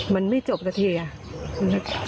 มันไม่จบสักที